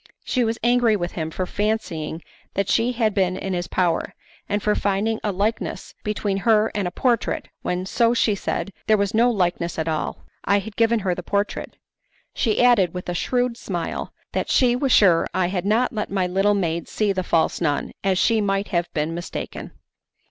She was angry with him for fancying that she had been in his power, and for finding a likeness between her and a portrait, when, so she said, there was no likeness at all; I had given her the portrait. She added, with a shrewd smile, that she was sure I had not let my little maid see the false nun, as she might have been mistaken.